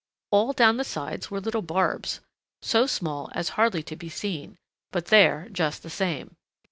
All down the sides were tiny barbs, so small as hardly to be seen, but there just the same.